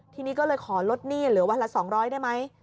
ที่นี่ก็เลยขอลดหนี้เหลือวันละสองร้อยได้ไหม